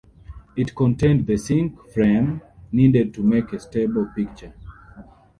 It contained the sync 'frame' needed to make a stable picture.